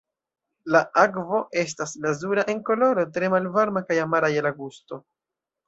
La akvo estas lazura en koloro, tre malvarma kaj amara je la gusto.